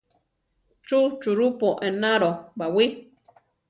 Chú churupo enaro baʼwí?